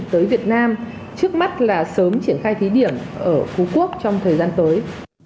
tới việt nam trước mắt là sớm triển khai thí điểm ở phú quốc trong thời gian tới